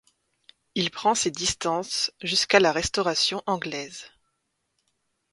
Il prend ses distances jusqu'à la Restauration anglaise.